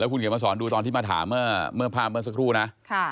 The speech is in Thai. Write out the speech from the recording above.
คุณเขียนมาสอนดูตอนที่มาถามเมื่อภาพเมื่อสักครู่นะ